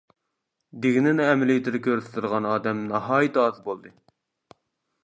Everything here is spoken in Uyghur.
دېگىنىنى ئەمەلىيىتىدە كۆرسىتىدىغان ئادەم ناھايىتى ئاز بولدى.